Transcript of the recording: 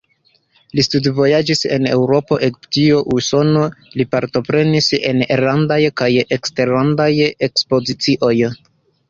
Li studvojaĝis en Eŭropo, Egiptio, Usono, li partoprenis en enlandaj kaj eksterlandaj ekspozicioj.